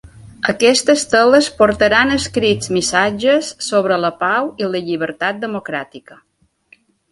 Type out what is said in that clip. Aquestes teles portaran escrits missatges sobre la pau i la llibertat democràtica.